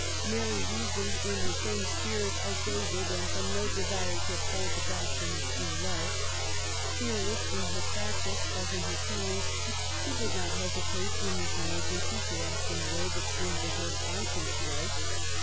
Mary reasoned in the same spirit as they did^ and from no desire to uphold the doctrine of free love. Fearless in her practice as in her theories^ she did not hesitate in this emergency to act in a way that seemed to her conscience right.